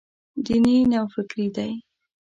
دیني نوفکري دی.